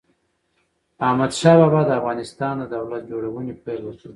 احمد شاه بابا د افغانستان د دولت جوړونې پيل وکړ.